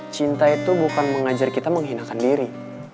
cinta itu bukan mengajar kita menghinakan diri